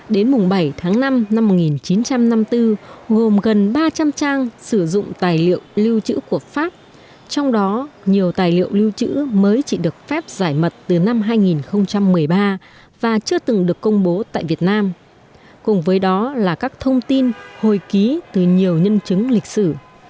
đến mùng bảy tháng năm năm một nghìn chín trăm năm mươi bốn gồm gần ba trăm linh trang sử dụng tài liệu lưu chữ của pháp trong đó nhiều tài liệu lưu chữ mới chỉ được phép giải mật từ năm hai nghìn một mươi ba và chưa từng được công bố tại việt nam cùng với đó là các thông tin hồi ký từ nhiều nhân chứng lịch sử